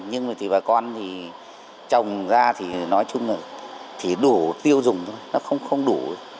nhưng mà thì bà con thì trồng ra thì nói chung là chỉ đủ tiêu dùng thôi nó không đủ